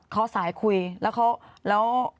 เขาสายคุยแล้ว